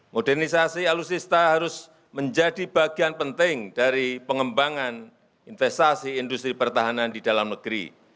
modernisasi alutsista harus menjadi bagian penting dari pengembangan investasi industri pertahanan di dalam negeri